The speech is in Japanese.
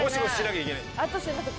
あとすいません